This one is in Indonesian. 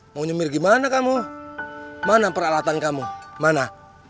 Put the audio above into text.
mau nyemir gimana kamu mana peralatan kamu mana